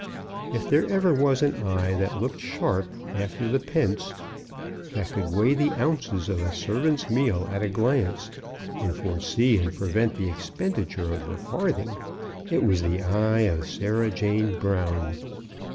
If there ever was an eye that looked sharp after the pence, that could weigh the ounces of a servant's meal at a glance, and foresee and prevent the expenditure of a farthing, it was the eye of Sarah Jane Brown.